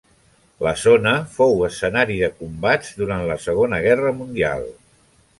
La zona fou escenari de combats durant la Segona Guerra Mundial.